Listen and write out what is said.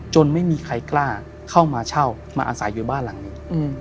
ไม่มีใครกล้าเข้ามาเช่ามาอาศัยอยู่บ้านหลังนี้